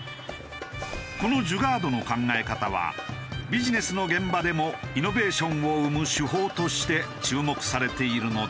このジュガードの考え方はビジネスの現場でもイノベーションを生む手法として注目されているのだという。